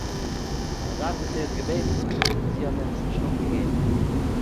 א זאך וואס ער האט געבעטן און זי האט אים עס נישט נאכגעגעבן